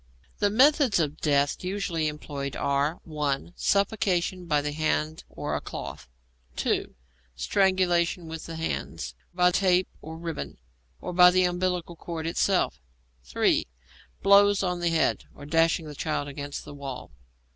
The methods of death usually employed are (1) Suffocation by the hand or a cloth. (2) Strangulation with the hands, by a tape or ribbon, or by the umbilical cord itself. (3) Blows on the head, or dashing the child against the wall.